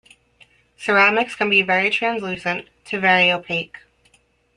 Ceramics can be very translucent to very opaque.